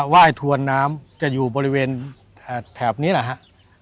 ว่ายถวนน้ำจะอยู่บริเวณแถบนี้แหละฮะ